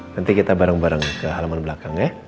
nanti kita bareng bareng ke halaman belakang ya